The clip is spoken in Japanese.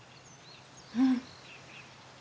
うん。